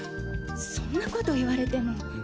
そんなこと言われても。